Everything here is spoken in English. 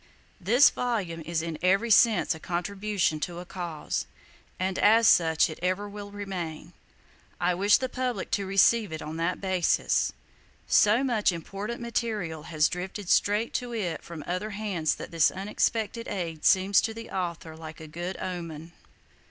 This volume is in every sense a contribution to a Cause; and as such it ever will remain. I wish the public to receive it on that basis. So much important material has drifted straight to it from other hands that this unexpected aid seems to the author like a good omen.